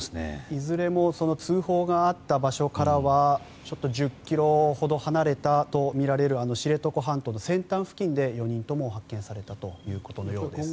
いずれも通報があった場所からはちょっと１０ｋｍほど離れているとみられる知床半島の先端付近で４人とも発見されたことのようです。